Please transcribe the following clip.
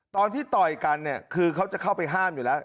ตอนที่เต่ากันเนี่ยคือเขาจะเข้าไปห้ามอยุ่แล้ว